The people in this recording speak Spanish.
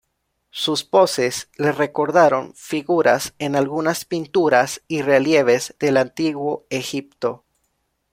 Sus poses le recordaron figuras en algunas pinturas y relieves del antiguo Egipto.